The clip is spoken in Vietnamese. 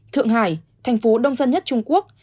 thượng hải thành phố đông dân nhất trung quốc